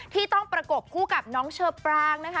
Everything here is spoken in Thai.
ที่ต้องประกบคู่กับน้องเชอปรางนะคะ